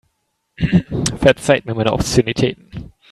Verzeiht mir meine Obszönitäten.